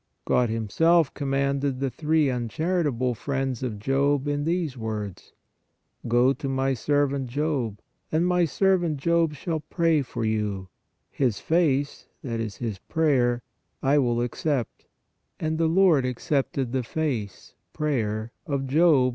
God Himself commanded the three uncharitable friends of Job in these words :" Go to My servant Job ... and My servant Job shall pray for you : his face (that is his prayer) I will accept ... and the Lord accepted the face (prayer) of Job